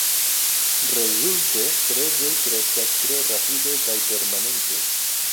Rezulte, prezoj kreskas tre rapide kaj permanente.